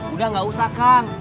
udah nggak usah kang